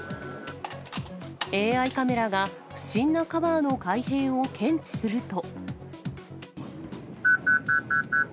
ＡＩカメラが不審なカバーの開閉を検知すると。